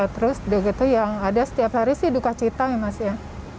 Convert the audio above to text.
terus yang ada setiap hari sih duka cita emas ya